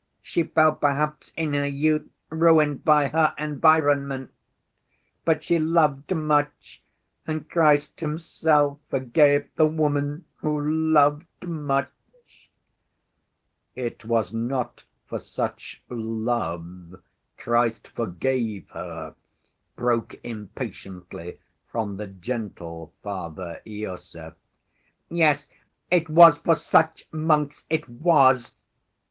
She fell perhaps in her youth, ruined by her environment. But she loved much, and Christ himself forgave the woman 'who loved much.' " "It was not for such love Christ forgave her," broke impatiently from the gentle Father Iosif. "Yes, it was for such, monks, it was!